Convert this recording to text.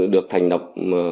được thành lập